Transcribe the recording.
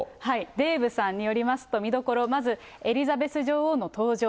デーブさんによりますと、見どころ、まずエリザベス女王の登場。